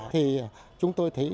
thì chúng tôi thấy